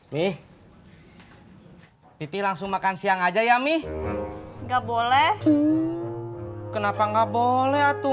nih pipi langsung makan siang aja ya mi enggak boleh kenapa enggak boleh atau